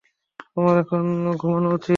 তোমার এখন ঘুমানো উচিত।